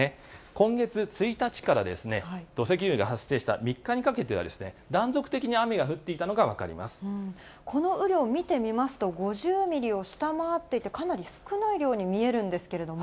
今月１日から土石流が発生した３日にかけては、断続的に雨が降っこの雨量見てみますと、５０ミリを下回っていて、かなり少ない量に見えるんですけれども。